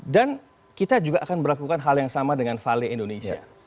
dan kita juga akan berlakukan hal yang sama dengan vale indonesia